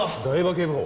警部補。